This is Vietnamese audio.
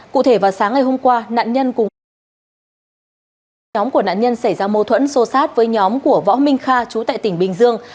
cụ thể vào sáng ngày hôm qua nạn nhân cùng nhóm của nạn nhân xảy ra mâu thuẫn xô xát với nhóm của võ minh kha trú tại tỉnh bình dương